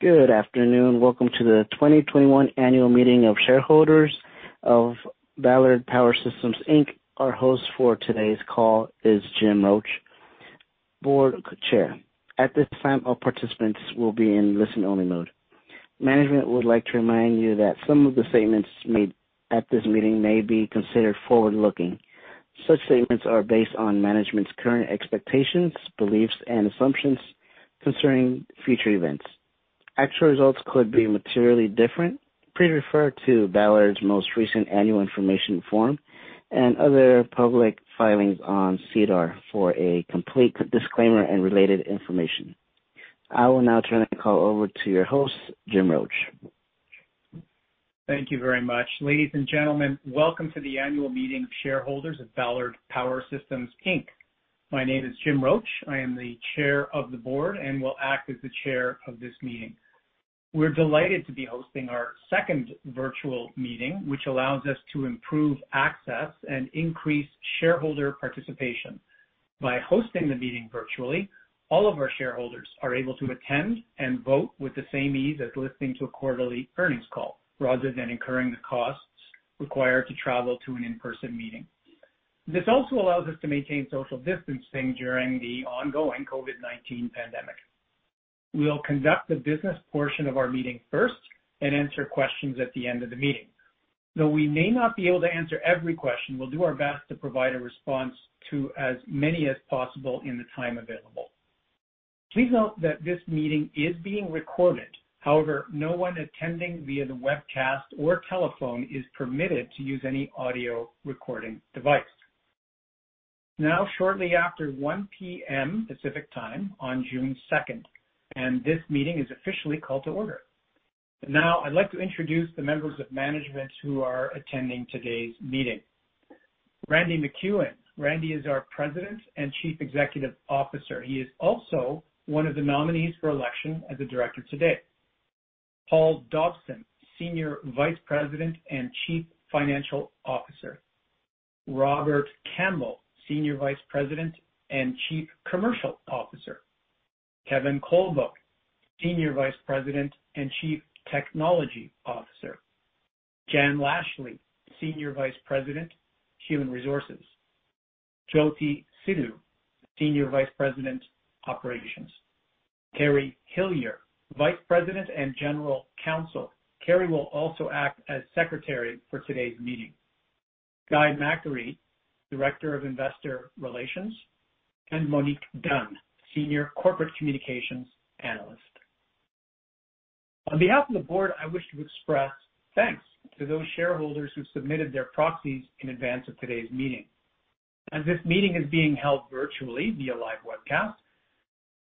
Good afternoon. Welcome to the 2021 annual meeting of shareholders of Ballard Power Systems Inc. Our host for today's call is Jim Roche, board chair. At this time, all participants will be in listen-only mode. Management would like to remind you that some of the statements made at this meeting may be considered forward-looking. Such statements are based on management's current expectations, beliefs, and assumptions concerning future events. Actual results could be materially different. Please refer to Ballard's most recent annual information form and other public filings on SEDAR for a complete disclaimer and related information. I will now turn the call over to your host, Jim Roche. Thank you very much. Ladies and gentlemen, welcome to the annual meeting of shareholders of Ballard Power Systems Inc. My name is Jim Roche. I am the Chair of the Board and will act as the Chair of this meeting. We're delighted to be hosting our second virtual meeting, which allows us to improve access and increase shareholder participation. By hosting the meeting virtually, all of our shareholders are able to attend and vote with the same ease as listening to a quarterly earnings call rather than incurring the costs required to travel to an in-person meeting. This also allows us to maintain social distancing during the ongoing COVID-19 pandemic. We will conduct the business portion of our meeting first and answer questions at the end of the meeting. Though we may not be able to answer every question, we'll do our best to provide a response to as many as possible in the time available. Please note that this meeting is being recorded. However, no one attending via the webcast or telephone is permitted to use any audio recording device. It is now shortly after 1:00 P.M. Pacific Time on June 2nd, and this meeting is officially called to order. Now, I'd like to introduce the members of management who are attending today's meeting. Randy MacEwen. Randy is our President and Chief Executive Officer. He is also one of the nominees for election as a director today. Paul Dobson, Senior Vice President and Chief Financial Officer. Robert Campbell, Senior Vice President and Chief Commercial Officer. Kevin Colbow, Senior Vice President and Chief Technology Officer. Jan Laishley, Senior Vice President, Human Resources. Jyoti Sidhu, Senior Vice President, Operations. Kerry Hillier, Vice President and General Counsel. Kerry will also act as secretary for today's meeting. Guy McAree, Director of Investor Relations, and Monique Dunn, Senior Corporate Communications Analyst. On behalf of the Board, I wish to express thanks to those shareholders who submitted their proxies in advance of today's meeting. As this meeting is being held virtually via live webcast,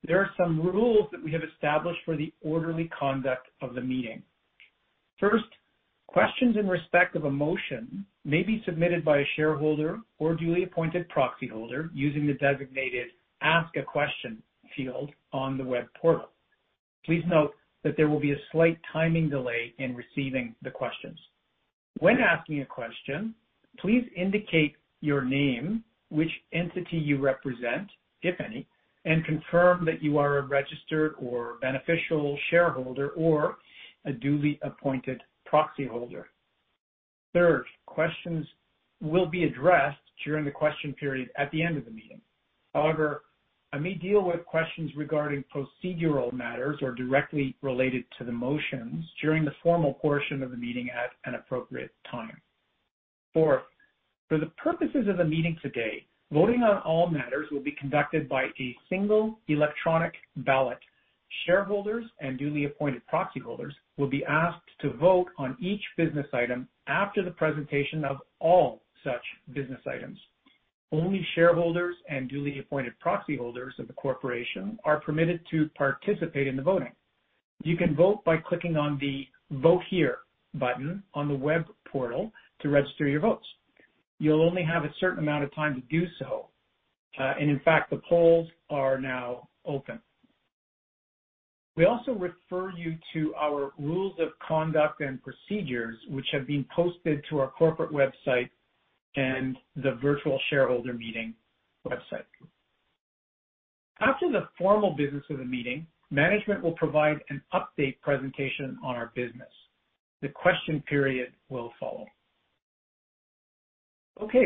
there are some rules that we have established for the orderly conduct of the meeting. First, questions in respect of a motion may be submitted by a shareholder or duly appointed proxy holder using the designated Ask a Question field on the web portal. Please note that there will be a slight timing delay in receiving the questions. When asking a question, please indicate your name, which entity you represent, if any, and confirm that you are a registered or beneficial shareholder or a duly appointed proxy holder. Third, questions will be addressed during the question period at the end of the meeting. However, I may deal with questions regarding procedural matters or directly related to the motions during the formal portion of the meeting at an appropriate time. Fourth, for the purposes of the meeting today, voting on all matters will be conducted by a single electronic ballot. Shareholders and duly appointed proxy holders will be asked to vote on each business item after the presentation of all such business items. Only shareholders and duly appointed proxy holders of the corporation are permitted to participate in the voting. You can vote by clicking on the Vote Here button on the web portal to register your votes. You'll only have a certain amount of time to do so. In fact, the polls are now open. We also refer you to our rules of conduct and procedures, which have been posted to our corporate website and the virtual shareholder meeting website. After the formal business of the meeting, management will provide an update presentation on our business. The question period will follow.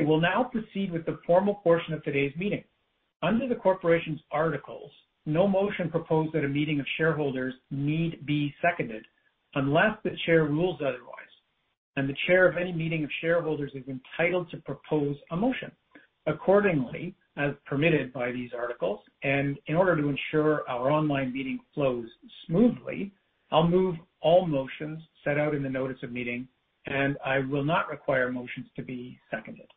We'll now proceed with the formal portion of today's meeting. Under the corporation's articles, no motion proposed at a meeting of shareholders need be seconded unless the chair rules otherwise, and the chair of any meeting of shareholders is entitled to propose a motion. Accordingly, as permitted by these articles and in order to ensure our online meeting flows smoothly, I'll move all motions set out in the notice of meeting, and I will not require motions to be seconded.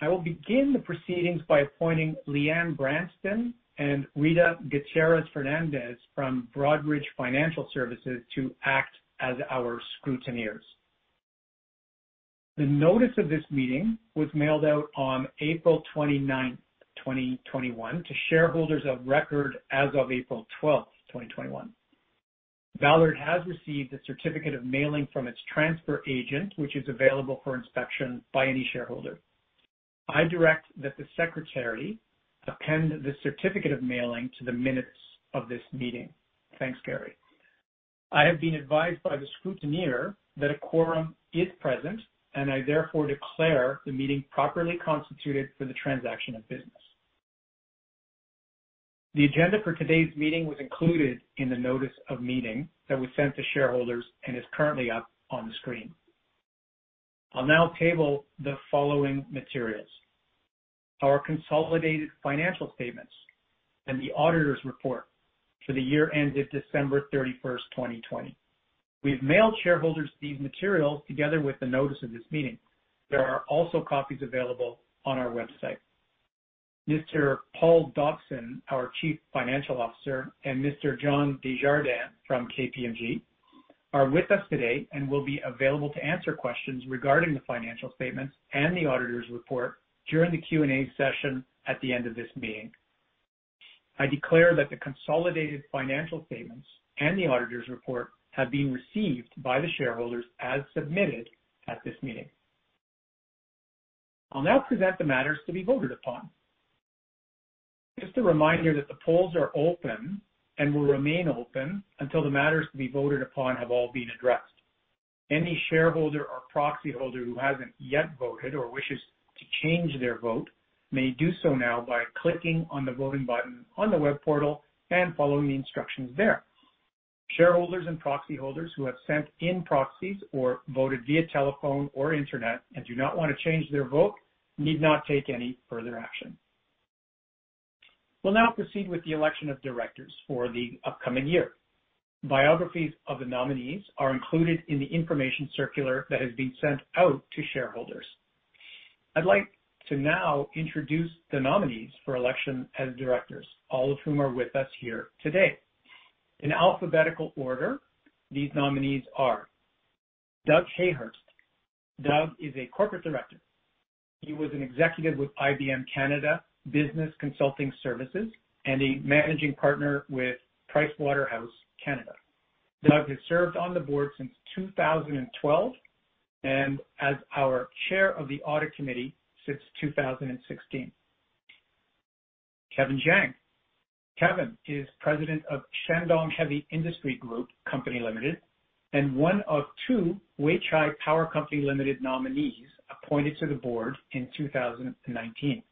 I will begin the proceedings by appointing Leanne Branton and Rita Gutierrez Fernandez from Broadridge Financial Solutions to act as our scrutineers. The notice of this meeting was mailed out on April 29th, 2021, to shareholders of record as of April 12th, 2021. Ballard has received a certificate of mailing from its transfer agent, which is available for inspection by any shareholder. I direct that the secretary append the certificate of mailing to the minutes of this meeting. Thanks, Kerry. I have been advised by the scrutineer that a quorum is present, and I therefore declare the meeting properly constituted for the transaction of business. The agenda for today's meeting was included in the notice of meeting that was sent to shareholders and is currently up on the screen. I'll now table the following materials. Our consolidated financial statements and the auditor's report for the year ended December 31st, 2020. We've mailed shareholders these materials together with the notice of this meeting. There are also copies available on our website. Mr. Paul Dobson, our chief financial officer, and Mr. John Desjardins from KPMG are with us today and will be available to answer questions regarding the financial statements and the auditor's report during the Q&A session at the end of this meeting. I declare that the consolidated financial statements and the auditor's report have been received by the shareholders as submitted at this meeting. I'll now present the matters to be voted upon. Just a reminder that the polls are open and will remain open until the matters to be voted upon have all been addressed. Any shareholder or proxy holder who hasn't yet voted or wishes to change their vote may do so now by clicking on the voting button on the web portal and following the instructions there. Shareholders and proxy holders who have sent in proxies or voted via telephone or internet and do not want to change their vote need not take any further action. We'll now proceed with the election of directors for the upcoming year. Biographies of the nominees are included in the information circular that has been sent out to shareholders. I'd like to now introduce the nominees for election as directors, all of whom are with us here today. In alphabetical order, these nominees are Doug Hayhurst. Doug is a corporate director. He was an executive with IBM Canada Business Consulting Services and a managing partner with Pricewaterhouse, Canada. Doug has served on the board since 2012 and as our chair of the Audit Committee since 2016. Kevin Jiang. Kevin is President of Shandong Heavy Industry Group Co., Ltd. and one of two Weichai Power Co., Ltd. nominees appointed to the board in 2019.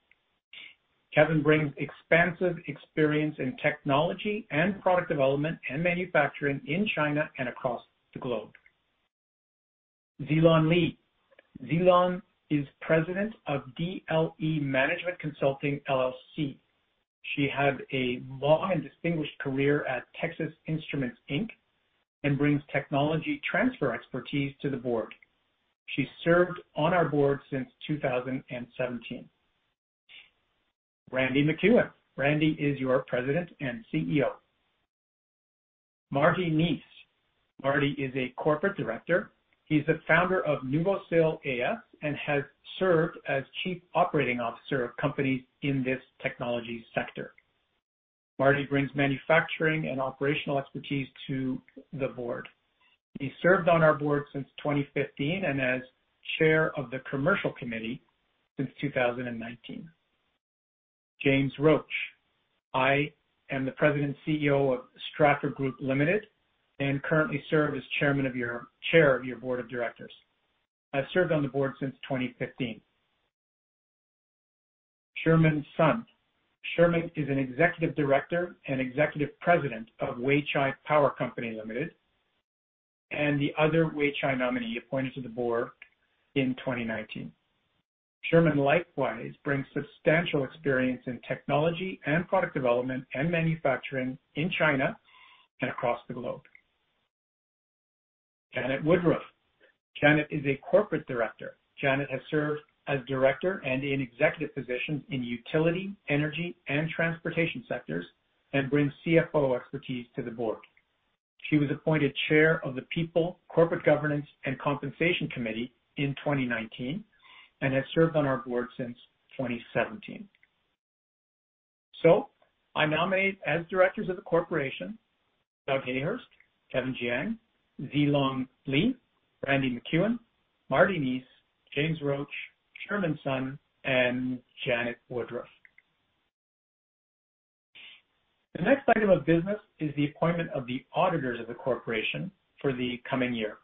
Kevin brings expansive experience in technology and product development and manufacturing in China and across the globe. Zhilong Li. Zhilong is President of DLE Management Consulting LLC. She has a long and distinguished career at Texas Instruments Inc. and brings technology transfer expertise to the board. She served on our board since 2017. Randy MacEwen. Randy is your President and CEO. Marty Neese. Marty is a Corporate Director. He's the founder of Nuvosil AS and has served as Chief Operating Officer of companies in this technology sector. Marty brings manufacturing and operational expertise to the board. He served on our board since 2015 and as Chair of the Commercial Committee since 2019. James Roche. I am the President CEO of Stratford Group Ltd. and currently serve as Chairman of your board of directors. I served on the board since 2015. Sherman Sun. Sherman is an Executive Director and Executive President of Weichai Power Co., Ltd. and the other Weichai nominee appointed to the board in 2019. Sherman likewise brings substantial experience in technology and product development and manufacturing in China and across the globe. Janet Woodruff. Janet is a Corporate Director. Janet has served as Director and in executive positions in utility, energy, and transportation sectors and brings CFO expertise to the board. She was appointed Chair of the People, Corporate Governance, and Compensation Committee in 2019 and has served on our board since 2017. I nominate as Directors of the corporation, Doug Hayhurst, Kevin Jiang, Zhilong Li, Randy MacEwen, Marty Neese, James Roche, Sherman Sun, and Janet Woodruff. The next item of business is the appointment of the auditors of the corporation for the coming year.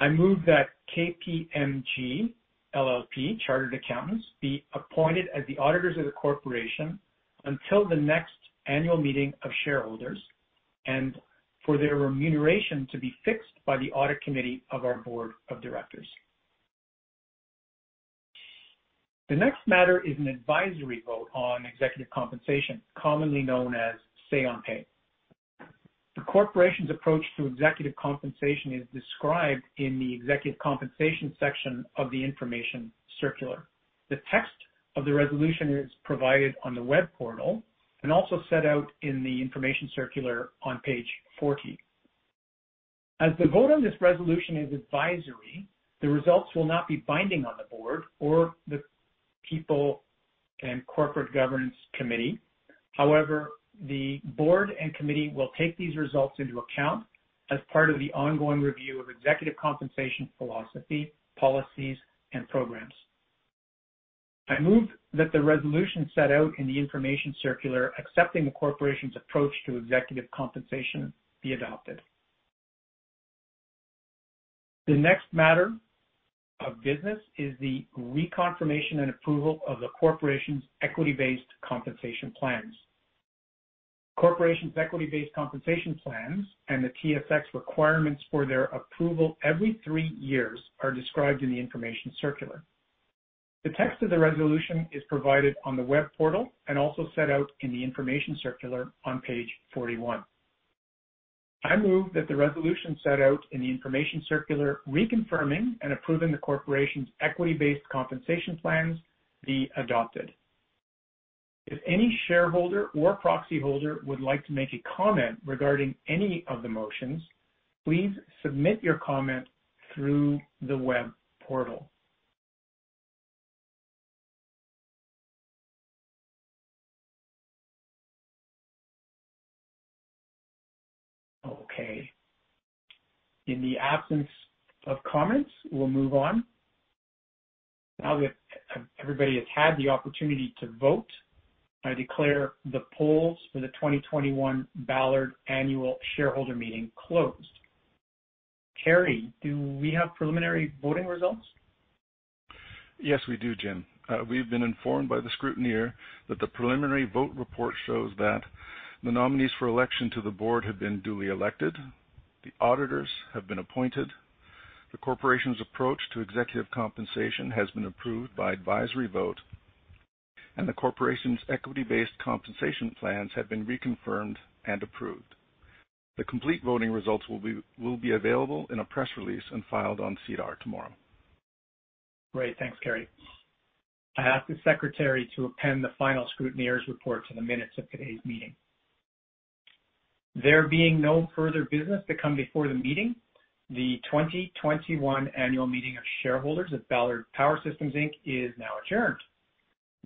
I move that KPMG LLP Chartered Accountants be appointed as the auditors of the corporation until the next annual meeting of shareholders, and for their remuneration to be fixed by the audit committee of our board of directors. The next matter is an advisory vote on executive compensation, commonly known as say on pay. The corporation's approach to executive compensation is described in the executive compensation section of the information circular. The text of the resolution is provided on the web portal and also set out in the information circular on page 40. As the vote on this resolution is advisory, the results will not be binding on the board or the People and Corporate Governance Committee. However, the board and committee will take these results into account as part of the ongoing review of executive compensation philosophy, policies, and programs. I move that the resolution set out in the information circular accepting the corporation's approach to executive compensation be adopted. The next matter of business is the reconfirmation and approval of the corporation's equity-based compensation plans. The corporation's equity-based compensation plans and the TSX requirements for their approval every three years are described in the information circular. The text of the resolution is provided on the web portal and also set out in the information circular on page 41. I move that the resolution set out in the information circular reconfirming and approving the corporation's equity-based compensation plans be adopted. If any shareholder or proxy holder would like to make a comment regarding any of the motions, please submit your comment through the web portal. Okay. In the absence of comments, we'll move on. Now that everybody has had the opportunity to vote, I declare the polls for the 2021 Ballard Annual Shareholder Meeting closed. Kerry, do we have preliminary voting results? Yes, we do, Jim. We've been informed by the scrutineer that the preliminary vote report shows that the nominees for election to the board have been duly elected, the auditors have been appointed, the corporation's approach to executive compensation has been approved by advisory vote, and the corporation's equity-based compensation plans have been reconfirmed and approved. The complete voting results will be available in a press release and filed on SEDAR tomorrow. Great. Thanks, Kerry. I ask the secretary to append the final scrutineer's report to the minutes of today's meeting. There being no further business to come before the meeting, the 2021 annual meeting of shareholders of Ballard Power Systems Inc. is now adjourned.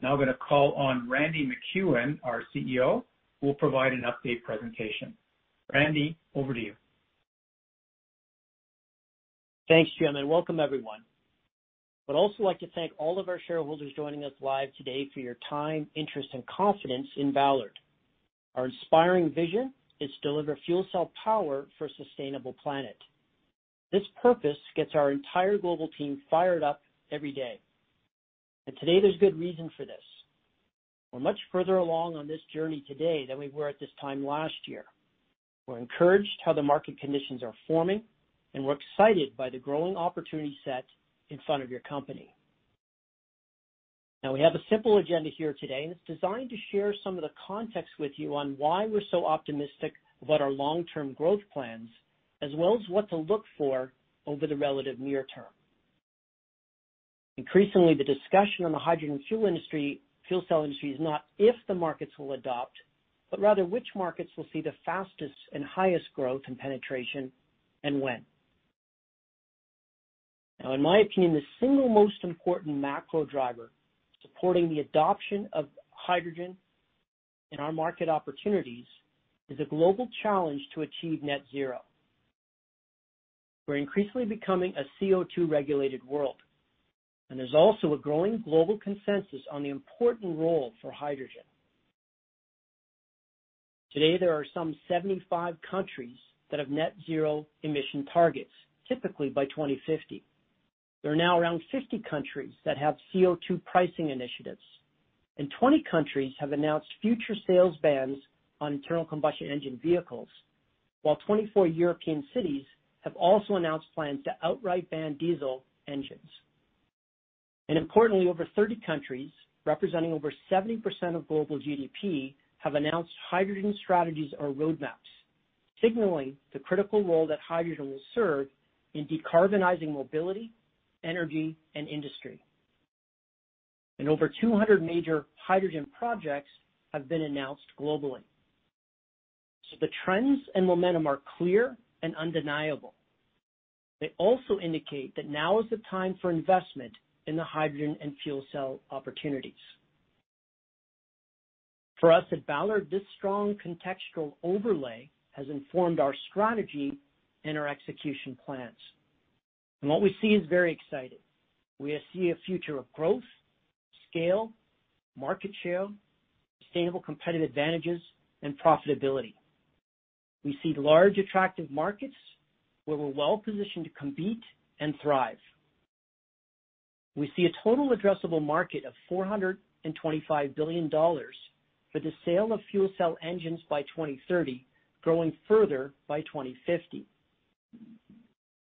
I'm going to call on Randy MacEwen, our CEO, who will provide an update presentation. Randy, over to you. Thanks, Jim. Welcome everyone. I'd also like to thank all of our shareholders joining us live today for your time, interest, and confidence in Ballard. Our inspiring vision is to deliver fuel cell power for a sustainable planet. This purpose gets our entire global team fired up every day. Today there's good reason for this. We're much further along on this journey today than we were at this time last year. We're encouraged how the market conditions are forming, and we're excited by the growing opportunity set in front of your company. We have a simple agenda here today, and it's designed to share some of the context with you on why we're so optimistic about our long-term growth plans, as well as what to look for over the relative near term. Increasingly, the discussion on the hydrogen fuel cell industry is not if the markets will adopt, but rather which markets will see the fastest and highest growth and penetration, and when. In my opinion, the single most important macro driver supporting the adoption of hydrogen in our market opportunities is a global challenge to achieve net zero. We're increasingly becoming a CO₂-regulated world, and there's also a growing global consensus on the important role for hydrogen. Today, there are some 75 countries that have net zero emission targets, typically by 2050. There are now around 50 countries that have CO₂ pricing initiatives, and 20 countries have announced future sales bans on internal combustion engine vehicles, while 24 European cities have also announced plans to outright ban diesel engines. Importantly, over 30 countries, representing over 70% of global GDP, have announced hydrogen strategies or roadmaps, signaling the critical role that hydrogen will serve in decarbonizing mobility, energy, and industry. Over 200 major hydrogen projects have been announced globally. The trends and momentum are clear and undeniable. They also indicate that now is the time for investment in the hydrogen and fuel cell opportunities. For us at Ballard, this strong contextual overlay has informed our strategy and our execution plans. What we see is very exciting. We see a future of growth, scale, market share, sustainable competitive advantages, and profitability. We see large attractive markets where we're well-positioned to compete and thrive. We see a total addressable market of $425 billion for the sale of fuel cell engines by 2030, growing further by 2050.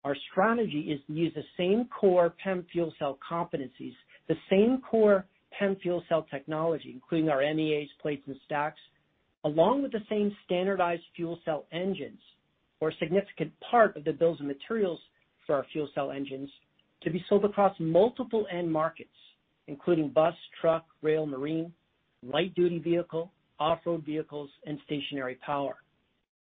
Our strategy is to use the same core PEM fuel cell competencies, the same core PEM fuel cell technology, including our MEAs, plates, and stacks, along with the same standardized fuel cell engines, or a significant part of the bills of materials for our fuel cell engines, to be sold across multiple end markets, including bus, truck, rail, marine, light-duty vehicle, off-road vehicles, and stationary power.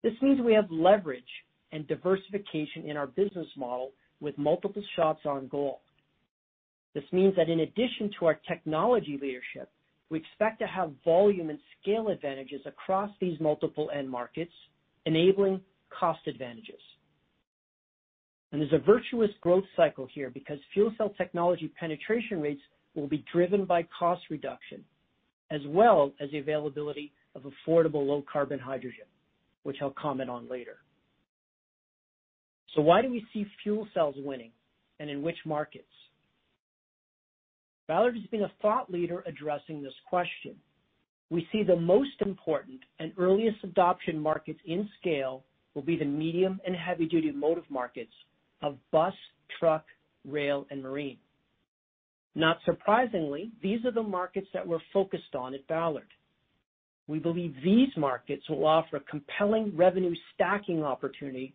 This means we have leverage and diversification in our business model with multiple shots on goal. This means that in addition to our technology leadership, we expect to have volume and scale advantages across these multiple end markets, enabling cost advantages. There's a virtuous growth cycle here because fuel cell technology penetration rates will be driven by cost reduction, as well as the availability of affordable low carbon hydrogen, which I'll comment on later. Why do we see fuel cells winning, and in which markets? Ballard has been a thought leader addressing this question. We see the most important and earliest adoption markets in scale will be the medium and heavy-duty motive markets of bus, truck, rail, and marine. Not surprisingly, these are the markets that we're focused on at Ballard. We believe these markets will offer compelling revenue stacking opportunity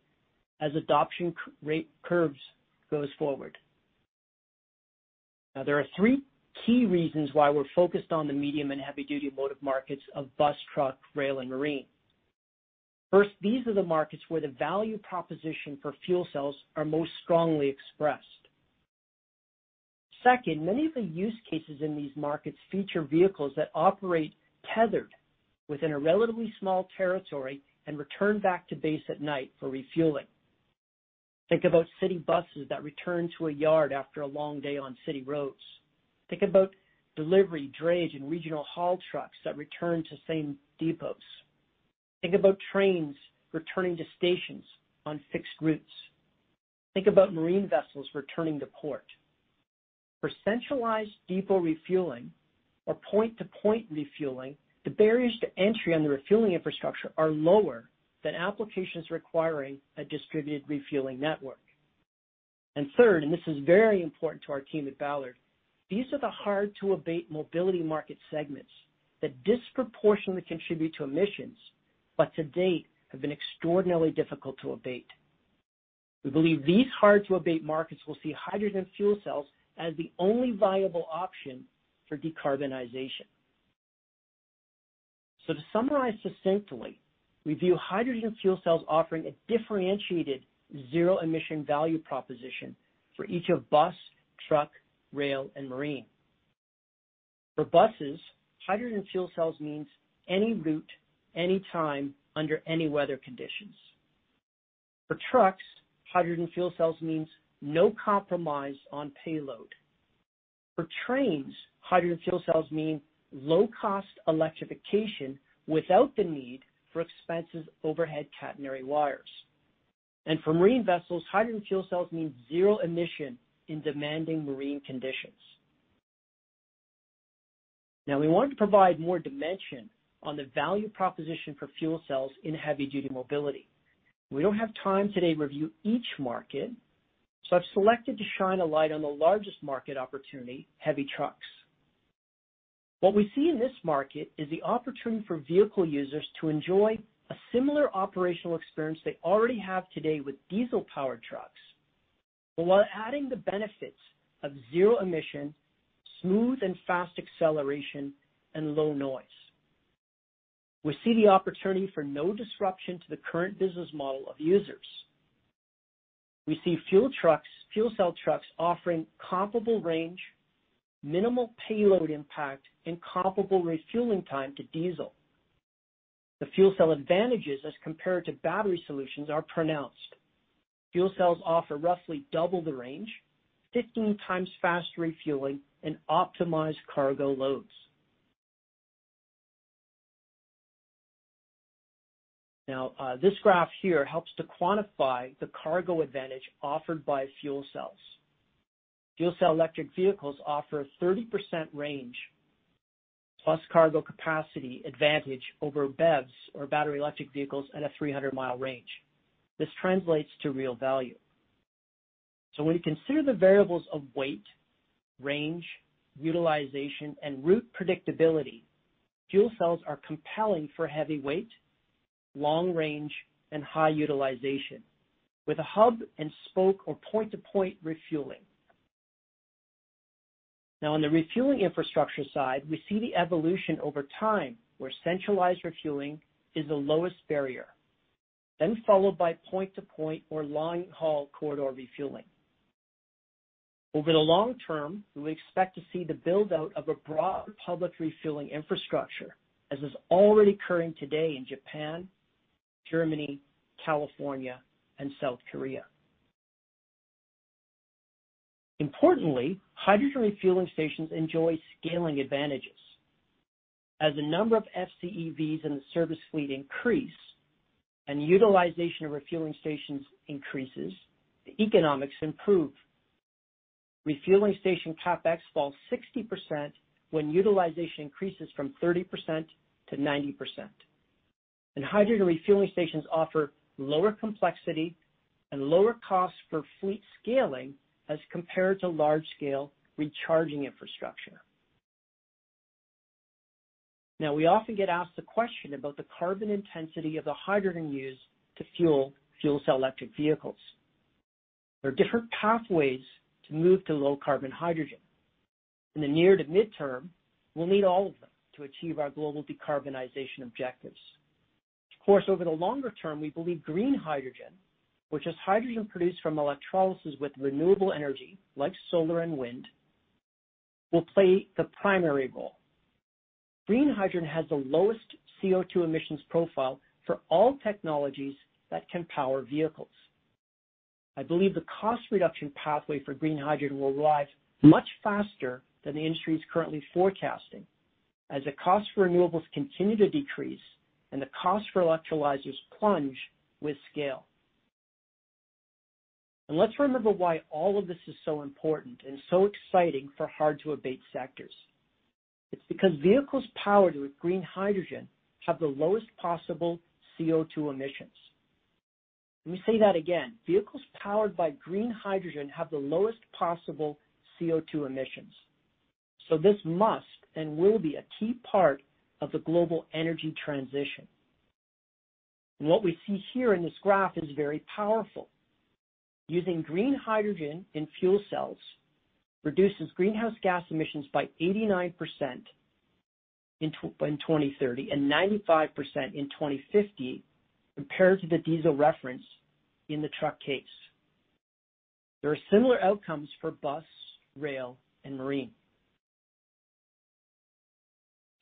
as adoption rate curves goes forward. There are three key reasons why we're focused on the medium and heavy-duty motive markets of bus, truck, rail, and marine. First, these are the markets where the value proposition for fuel cells are most strongly expressed. Second, many of the use cases in these markets feature vehicles that operate tethered within a relatively small territory and return back to base at night for refueling. Think about city buses that return to a yard after a long day on city roads. Think about delivery, drayage, and regional haul trucks that return to the same depots. Think about trains returning to stations on fixed routes. Think about marine vessels returning to port. For centralized depot refueling or point-to-point refueling, the barriers to entry on the refueling infrastructure are lower than applications requiring a distributed refueling network. Third, and this is very important to our team at Ballard, these are the hard-to-abate mobility market segments that disproportionately contribute to emissions, but to date have been extraordinarily difficult to abate. We believe these hard-to-abate markets will see hydrogen fuel cells as the only viable option for decarbonization. To summarize succinctly, we view hydrogen fuel cells offering a differentiated zero-emission value proposition for each of bus, truck, rail, and marine. For buses, hydrogen fuel cells means any route, any time, under any weather conditions. For trucks, hydrogen fuel cells means no compromise on payload. For trains, hydrogen fuel cells mean low-cost electrification without the need for expensive overhead catenary wires. For marine vessels, hydrogen fuel cells mean zero emission in demanding marine conditions. Now we want to provide more dimension on the value proposition for fuel cells in heavy-duty mobility. We don't have time today to review each market, so I've selected to shine a light on the largest market opportunity, heavy trucks. What we see in this market is the opportunity for vehicle users to enjoy a similar operational experience they already have today with diesel-powered trucks, but while adding the benefits of zero emission, smooth and fast acceleration, and low noise. We see the opportunity for no disruption to the current business model of users. We see fuel cell trucks offering comparable range, minimal payload impact, and comparable refueling time to diesel. The fuel cell advantages as compared to battery solutions are pronounced. Fuel cells offer roughly double the range, 15 times faster refueling, and optimized cargo loads. Now, this graph here helps to quantify the cargo advantage offered by fuel cells. Fuel cell electric vehicles offer a 30% range plus cargo capacity advantage over BEVs, or battery electric vehicles, at a 300-mi range. This translates to real value. When you consider the variables of weight, range, utilization, and route predictability, fuel cells are compelling for heavy weight, long range, and high utilization with a hub-and-spoke or point-to-point refueling. Now on the refueling infrastructure side, we see the evolution over time, where centralized refueling is the lowest barrier, then followed by point-to-point or line haul corridor refueling. Over the long term, we expect to see the build-out of a broad public refueling infrastructure, as is already occurring today in Japan, Germany, California, and South Korea. Importantly, hydrogen refueling stations enjoy scaling advantages. As the number of FCEVs in the service fleet increase and the utilization of refueling stations increases, the economics improve. Refueling station CapEx falls 60% when utilization increases from 30% to 90%. Hydrogen refueling stations offer lower complexity and lower costs for fleet scaling as compared to large-scale recharging infrastructure. We often get asked the question about the carbon intensity of the hydrogen used to fuel fuel cell electric vehicles. There are different pathways to move to low carbon hydrogen. In the near to midterm, we'll need all of them to achieve our global decarbonization objectives. Of course, over the longer term, we believe green hydrogen, which is hydrogen produced from electrolysis with renewable energy like solar and wind, will play the primary role. Green hydrogen has the lowest CO₂ emissions profile for all technologies that can power vehicles. I believe the cost reduction pathway for green hydrogen will arrive much faster than the industry is currently forecasting, as the cost for renewables continue to decrease and the cost for electrolyzers plunge with scale. Let's remember why all of this is so important and so exciting for hard-to-abate sectors. It's because vehicles powered with green hydrogen have the lowest possible CO₂ emissions. Let me say that again. Vehicles powered by green hydrogen have the lowest possible CO₂ emissions. This must and will be a key part of the global energy transition. What we see here in this graph is very powerful. Using green hydrogen in fuel cells reduces greenhouse gas emissions by 89% in 2030 and 95% in 2050 compared to the diesel reference in the truck case. There are similar outcomes for bus, rail, and marine.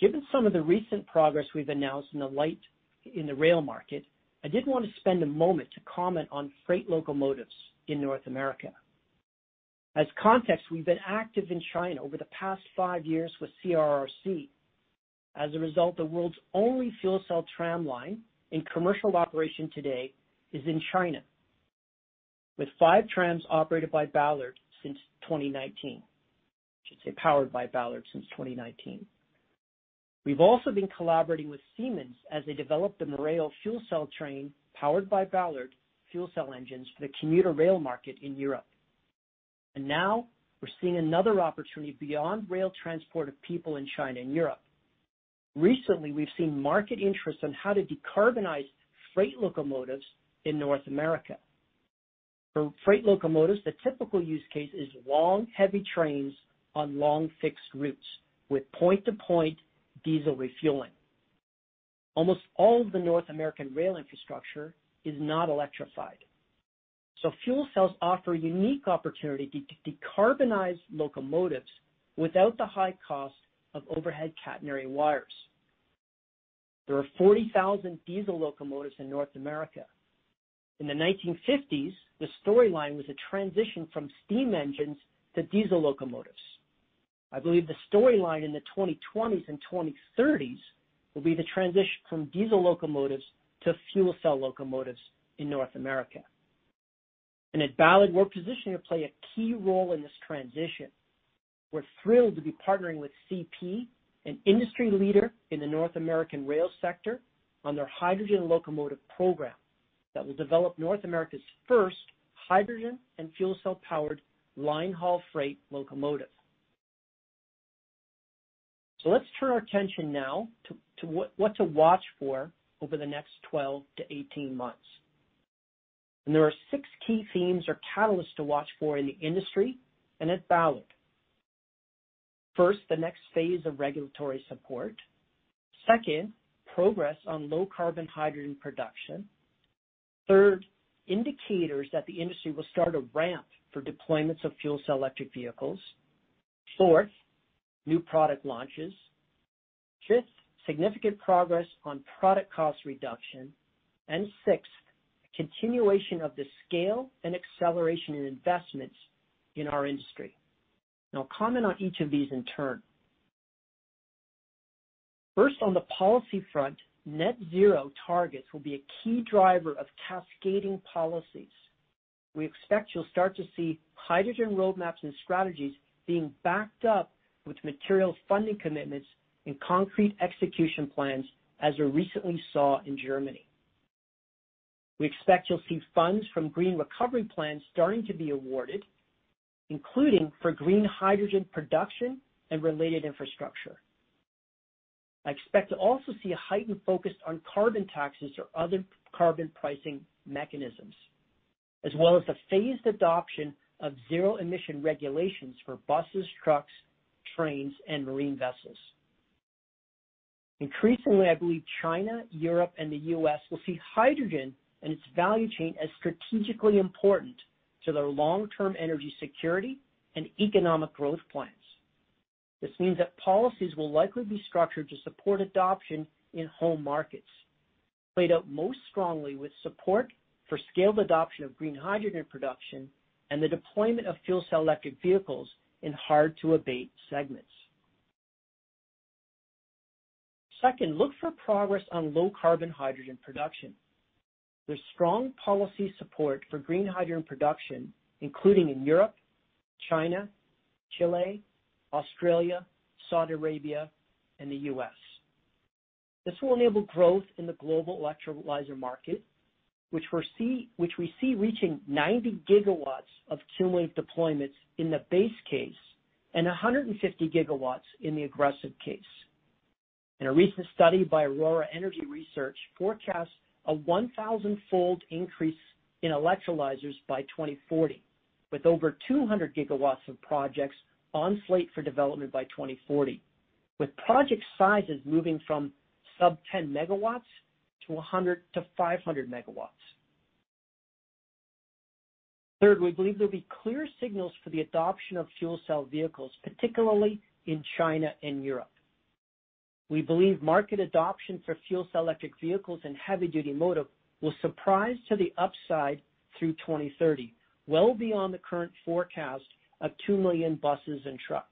Given some of the recent progress we've announced in the rail market, I did want to spend a moment to comment on freight locomotives in North America. As context, we've been active in China over the past five years with CRRC. As a result, the world's only fuel cell tram line in commercial operation today is in China, with five trams operated by Ballard since 2019. I should say powered by Ballard since 2019. We've also been collaborating with Siemens as they develop the Mireo fuel cell train powered by Ballard fuel cell engines for the commuter rail market in Europe. Now we're seeing another opportunity beyond rail transport of people in China and Europe. Recently, we've seen market interest on how to decarbonize freight locomotives in North America. For freight locomotives, the typical use case is long, heavy trains on long fixed routes with point-to-point diesel refueling. Almost all of the North American rail infrastructure is not electrified, so fuel cells offer a unique opportunity to decarbonize locomotives without the high cost of overhead catenary wires. There are 40,000 diesel locomotives in North America. In the 1950s, the storyline was a transition from steam engines to diesel locomotives. I believe the storyline in the 2020s and 2030s will be the transition from diesel locomotives to fuel cell locomotives in North America. At Ballard, we're positioned to play a key role in this transition. We're thrilled to be partnering with CP, an industry leader in the North American rail sector, on their hydrogen locomotive program that will develop North America's first hydrogen and fuel cell-powered line haul freight locomotive. Let's turn our attention now to what to watch for over the next 12 to 18 months. There are six key themes or catalysts to watch for in the industry and at Ballard. First, the next phase of regulatory support. Second, progress on low carbon hydrogen production. Third, indicators that the industry will start a ramp for deployments of fuel cell electric vehicles. Fourth, new product launches. Fifth, significant progress on product cost reduction, and sixth, continuation of the scale and acceleration in investments in our industry. I'll comment on each of these in turn. First, on the policy front, net zero targets will be a key driver of cascading policies. We expect you'll start to see hydrogen roadmaps and strategies being backed up with material funding commitments and concrete execution plans, as we recently saw in Germany. We expect you'll see funds from green recovery plans starting to be awarded, including for green hydrogen production and related infrastructure. I expect to also see a heightened focus on carbon taxes or other carbon pricing mechanisms, as well as the phased adoption of zero emission regulations for buses, trucks, trains, and marine vessels. Increasingly, I believe China, Europe, and the U.S. will see hydrogen and its value chain as strategically important to their long-term energy security and economic growth plans. This means that policies will likely be structured to support adoption in home markets, played out most strongly with support for scaled adoption of green hydrogen production and the deployment of Fuel Cell Electric Vehicles in hard-to-abate segments. Second, look for progress on low carbon hydrogen production. There's strong policy support for green hydrogen production, including in Europe, China, Chile, Australia, Saudi Arabia, and the U.S. This will enable growth in the global electrolyzer market, which we see reaching 90 GW of cumulative deployments in the base case and 150 GW in the aggressive case. In a recent study by Aurora Energy Research forecasts a 1,000-fold increase in electrolyzers by 2040, with over 200 GW of projects on slate for development by 2040, with project sizes moving from sub 10 MW to 100 MW to 500 MW. Third, we believe there'll be clear signals for the adoption of fuel cell vehicles, particularly in China and Europe. We believe market adoption for fuel cell electric vehicles and heavy-duty motive will surprise to the upside through 2030, well beyond the current forecast of 2 million buses and trucks.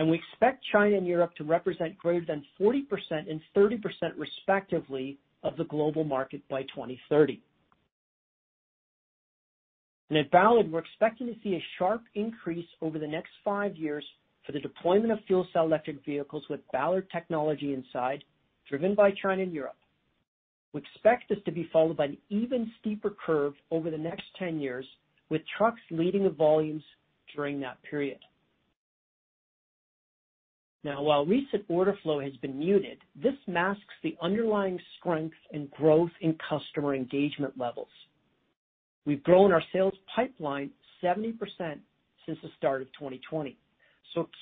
We expect China and Europe to represent greater than 40% and 30%, respectively, of the global market by 2030. At Ballard, we're expecting to see a sharp increase over the next five years for the deployment of fuel cell electric vehicles with Ballard technology inside, driven by China and Europe. We expect this to be followed by an even steeper curve over the next 10 years, with trucks leading the volumes during that period. Now, while recent order flow has been muted, this masks the underlying strength and growth in customer engagement levels. We've grown our sales pipeline 70% since the start of 2020.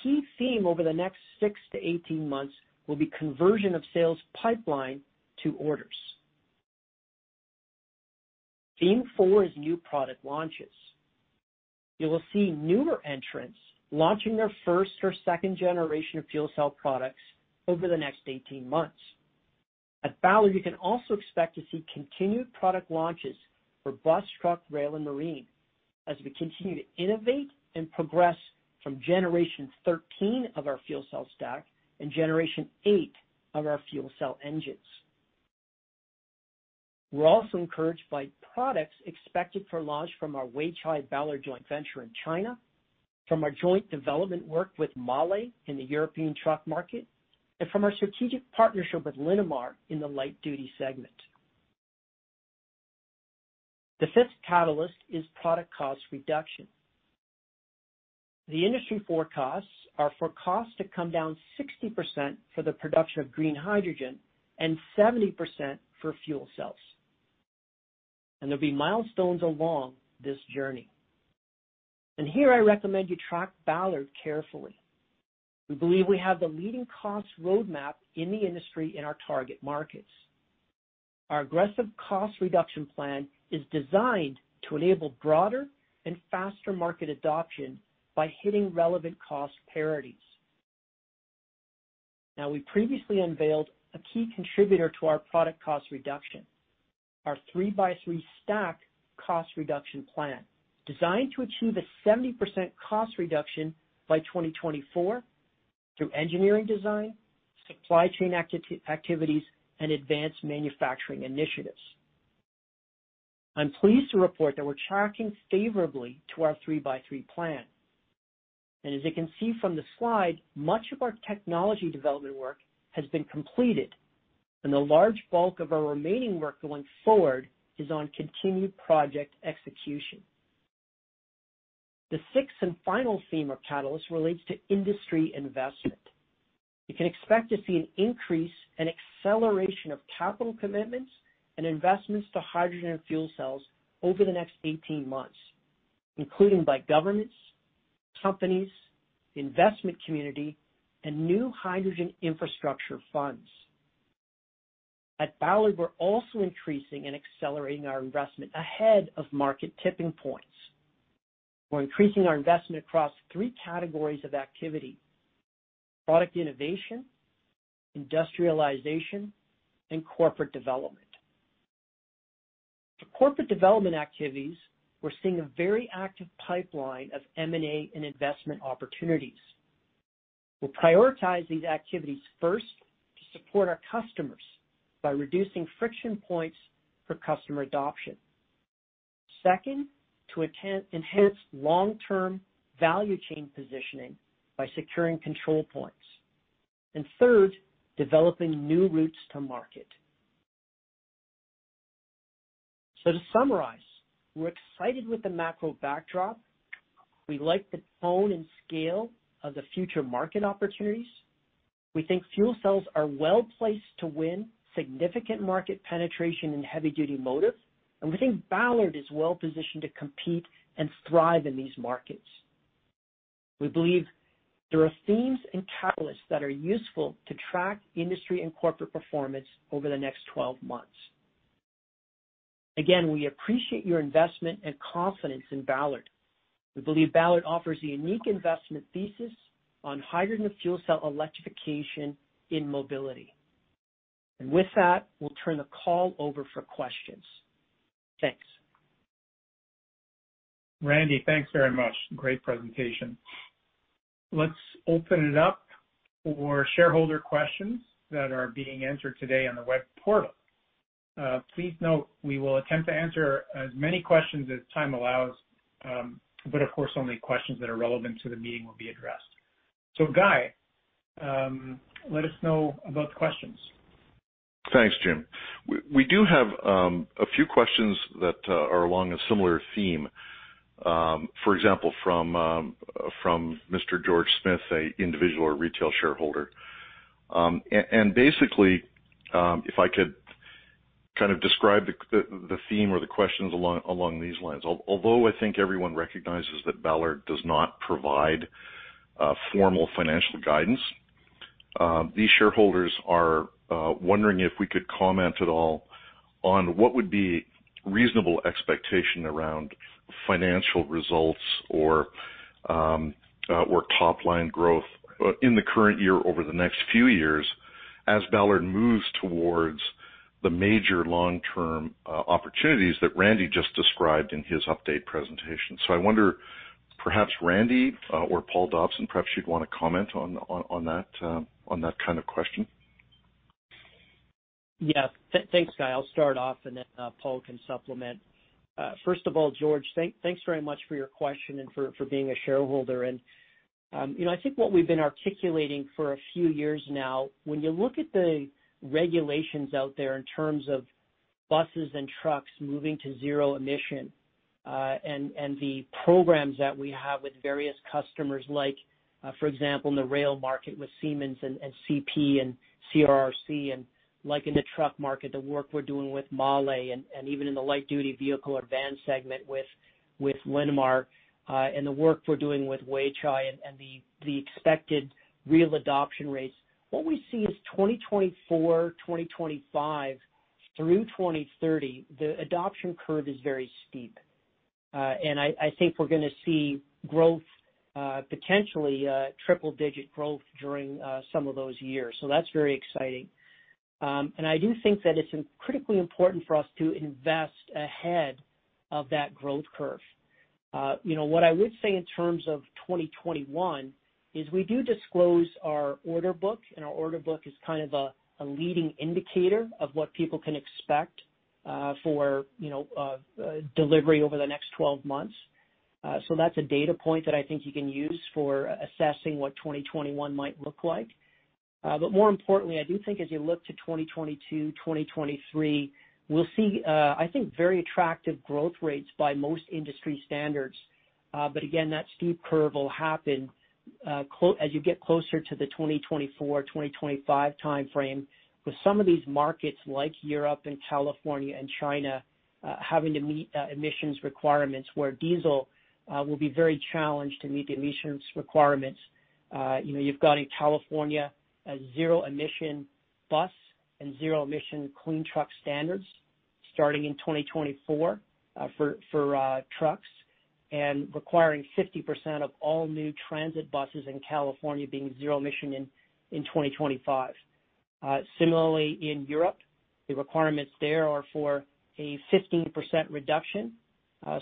Key theme over the next six to 18 months will be conversion of sales pipeline to orders. Theme four is new product launches. You will see newer entrants launching their first or second generation of fuel cell products over the next 18 months. At Ballard, you can also expect to see continued product launches for bus, truck, rail, and marine as we continue to innovate and progress from generation 13 of our fuel cell stack and generation 8 of our fuel cell engines. We're also encouraged by products expected for launch from our Weichai Ballard joint venture in China, from our joint development work with MAHLE in the European truck market, and from our strategic partnership with Linamar in the light duty segment. The fifth catalyst is product cost reduction. The industry forecasts are for costs to come down 60% for the production of green hydrogen and 70% for fuel cells, there'll be milestones along this journey. Here I recommend you track Ballard carefully. We believe we have the leading cost roadmap in the industry in our target markets. Our aggressive cost reduction plan is designed to enable broader and faster market adoption by hitting relevant cost parities. Now, we previously unveiled a key contributor to our product cost reduction, our three-by-three stack cost reduction plan, designed to achieve a 70% cost reduction by 2024 through engineering design, supply chain activities, and advanced manufacturing initiatives. I'm pleased to report that we're tracking favorably to our three-by-three plan. As you can see from the slide, much of our technology development work has been completed, and the large bulk of our remaining work going forward is on continued project execution. The sixth and final theme of catalyst relates to industry investment. You can expect to see an increase and acceleration of capital commitments and investments to hydrogen and fuel cells over the next 18 months, including by governments, companies, the investment community, and new hydrogen infrastructure funds. At Ballard, we're also increasing and accelerating our investment ahead of market tipping points. We're increasing our investment across three categories of activity: product innovation, industrialization, and corporate development. For corporate development activities, we're seeing a very active pipeline of M&A and investment opportunities. We prioritize these activities first to support our customers by reducing friction points for customer adoption. Second, to enhance long-term value chain positioning by securing control points. Third, developing new routes to market. To summarize, we're excited with the macro backdrop. We like the tone and scale of the future market opportunities. We think fuel cells are well-placed to win significant market penetration in heavy-duty motive, and we think Ballard is well-positioned to compete and thrive in these markets. We believe there are themes and catalysts that are useful to track industry and corporate performance over the next 12 months. Again, we appreciate your investment and confidence in Ballard. We believe Ballard offers a unique investment thesis on hydrogen fuel cell electrification in mobility. With that, we'll turn the call over for questions. Thanks. Randy, thanks very much. Great presentation. Let's open it up for shareholder questions that are being answered today on the web portal. Please note we will attempt to answer as many questions as time allows, but of course, only questions that are relevant to the meeting will be addressed. Guy, let us know about the questions. Thanks, Jim. We do have a few questions that are along a similar theme. For example, from Mr. George Smith, a individual or retail shareholder. Basically, if I could kind of describe the theme or the questions along these lines. Although I think everyone recognizes that Ballard does not provide formal financial guidance, these shareholders are wondering if we could comment at all on what would be reasonable expectation around financial results or top-line growth in the current year over the next few years as Ballard moves towards the major long-term opportunities that Randy just described in his update presentation. I wonder, perhaps Randy or Paul Dobson, perhaps you'd want to comment on that kind of question? Yeah. Thanks, Guy. I'll start off, and then Paul can supplement. First of all, George, thanks very much for your question and for being a shareholder. I think what we've been articulating for a few years now, when you look at the regulations out there in terms of buses and trucks moving to zero emission, and the programs that we have with various customers, like, for example, in the rail market with Siemens and CP and CRRC, and like in the truck market, the work we're doing with MAHLE and even in the light-duty vehicle advanced segment with Linamar, and the work we're doing with Weichai and the expected real adoption rates. What we see is 2024, 2025 through 2030, the adoption curve is very steep. I think we're going to see potentially triple-digit growth during some of those years, so that's very exciting. I do think that it's critically important for us to invest ahead of that growth curve. What I would say in terms of 2021 is we do disclose our order book, and our order book is kind of a leading indicator of what people can expect for delivery over the next 12 months. That's a data point that I think you can use for assessing what 2021 might look like. More importantly, I do think as you look to 2022, 2023, we'll see I think very attractive growth rates by most industry standards. Again, that steep curve will happen as you get closer to the 2024, 2025 timeframe with some of these markets like Europe and California and China having to meet emissions requirements where diesel will be very challenged to meet emissions requirements. You've got in California a zero emission bus and zero emission clean truck standards starting in 2024 for trucks and requiring 50% of all new transit buses in California being zero emission in 2025. Similarly, in Europe, the requirements there are for a 15% reduction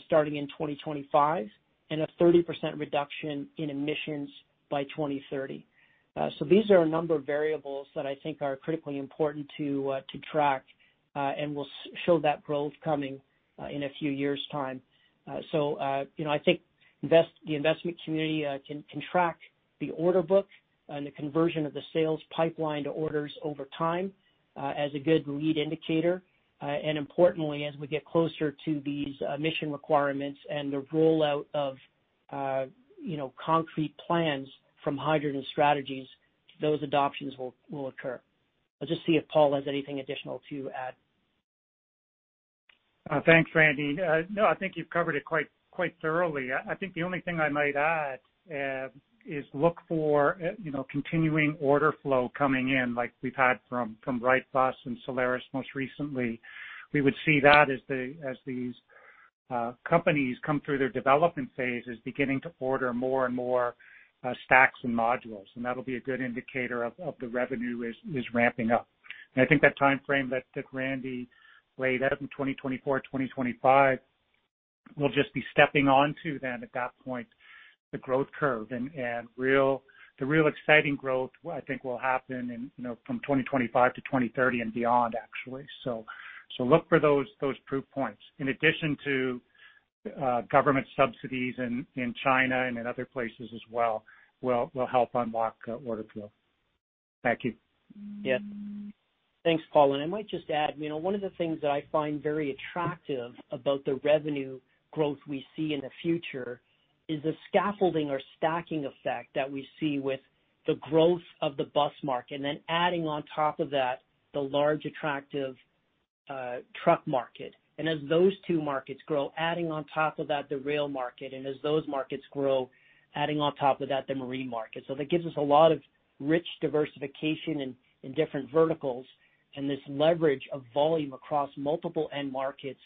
starting in 2025 and a 30% reduction in emissions by 2030. These are a number of variables that I think are critically important to track and will show that growth coming in a few years' time. I think the investment community can track the order book and the conversion of the sales pipeline to orders over time as a good lead indicator. Importantly, as we get closer to these emission requirements and the rollout of concrete plans from hydrogen strategies, those adoptions will occur. I'll just see if Paul has anything additional to add. Thanks, Randy. I think you've covered it quite thoroughly. I think the only thing I might add is look for continuing order flow coming in like we've had from Wrightbus and Solaris most recently. We would see that as these companies come through their development phases, beginning to order more and more stacks and modules, and that'll be a good indicator of the revenue is ramping up. I think that timeframe that Randy laid out in 2024, 2025, we'll just be stepping on to then at that point, the growth curve and the real exciting growth I think will happen from 2025 to 2030 and beyond, actually. Look for those proof points in addition to government subsidies in China and in other places as well, will help unlock order flow. Back to you. Yeah. Thanks, Paul. I might just add, one of the things that I find very attractive about the revenue growth we see in the future is the scaffolding or stacking effect that we see with the growth of the bus market, and then adding on top of that, the large, attractive truck market. As those two markets grow, adding on top of that, the rail market, and as those markets grow, adding on top of that, the marine market. That gives us a lot of rich diversification in different verticals and this leverage of volume across multiple end markets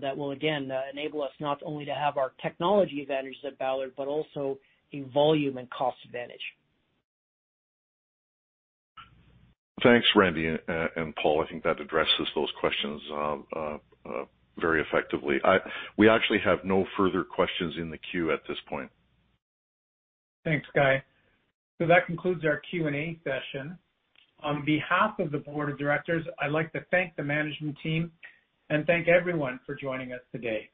that will, again, enable us not only to have our technology advantage at Ballard, but also a volume and cost advantage. Thanks, Randy and Paul. I think that addresses those questions very effectively. We actually have no further questions in the queue at this point. Thanks, Guy. That concludes our Q&A session. On behalf of the board of directors, I'd like to thank the management team and thank everyone for joining us today.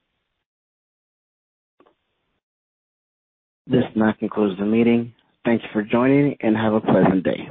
This now concludes the meeting. Thanks for joining, and have a pleasant day.